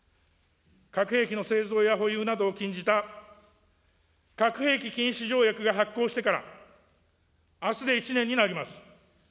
核兵器の製造や保有などを禁じた、核兵器禁止条約が発効してからあすで１年になります。